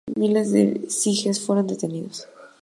Miles de sijes fueron detenidos.